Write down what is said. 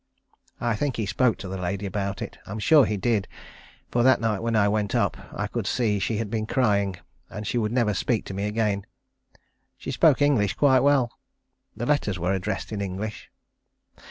I think he spoke to the lady about it. I am sure he did, for that night when I went up, I could see she had been crying, and she would never speak to me again. She spoke English quite well. The letters were addressed in English.